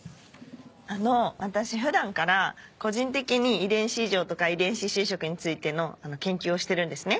あの私普段から個人的に遺伝子異常とか遺伝子修飾についての研究をしてるんですね。